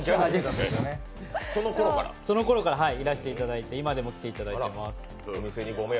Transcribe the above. その頃からいらしていただいて、今でも来ていただいています。